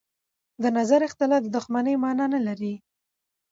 د نظر اختلاف د دښمنۍ مانا نه لري